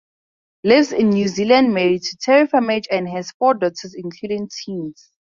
Lives in New Zealand married to Terry Furmage, and has four daughters including twins.